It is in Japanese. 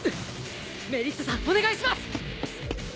メリッサさんお願いします！